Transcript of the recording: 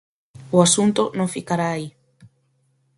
O asunto non ficará aí.